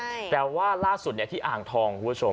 ใช่แต่ว่าล่าสุดเนี่ยที่อ่างทองคุณผู้ชม